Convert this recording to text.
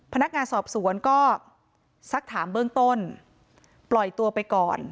พนักงานสอบสวนก็สักถามเบื้องต้นปล่อยตัวไปก่อน